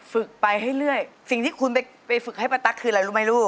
ฝึกไปให้เรื่อยสิ่งที่คุณไปฝึกให้ป้าตั๊กคืออะไรรู้ไหมลูก